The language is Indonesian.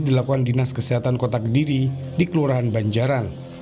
dilakukan dinas kesehatan kota kediri di kelurahan banjaran